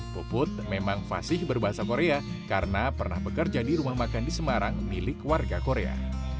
puput memang fasih berbahasa korea karena pernah bekerja di rumah makan di semarang milik warga korea